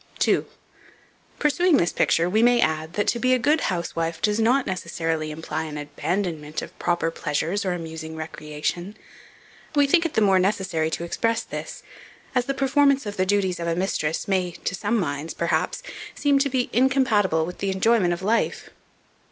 2. PURSUING THIS PICTURE, we may add, that to be a good housewife does not necessarily imply an abandonment of proper pleasures or amusing recreation; and we think it the more necessary to express this, as the performance of the duties of a mistress may, to some minds, perhaps seem to be incompatible with the enjoyment of life.